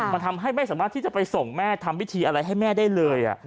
มันทำให้ไม่สามารถที่จะไปส่งแม่ทำพิธีอะไรให้แม่ได้เลย